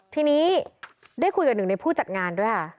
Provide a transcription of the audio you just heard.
ทีนี้ได้คุยกับหนึ่งในผู้จัดงานด้วยค่ะ